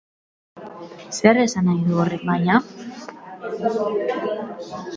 Zer esan nahi du horrek baina?